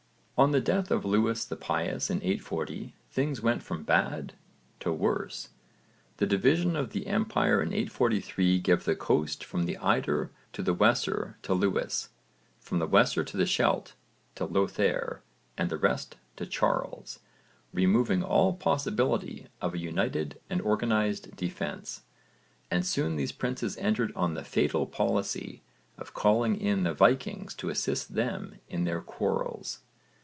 On the death of Lewis the Pious in 840 things went from bad to worse. The division of the empire in 843 gave the coast from the Eider to the Weser to Lewis, from the Weser to the Scheldt to Lothair, and the rest to Charles, removing all possibility of a united and organised defence, and soon these princes entered on the fatal policy of calling in the Vikings to assist them in their quarrels.